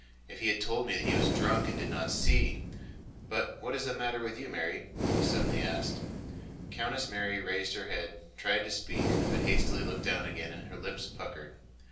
"If he had told me he was drunk and did not see... But what is the matter with you, Mary?" he suddenly asked. Countess Mary raised her head and tried to speak, but hastily looked down again and her lips puckered.